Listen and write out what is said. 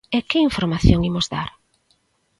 E que información imos dar?